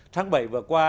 tháng bảy vừa qua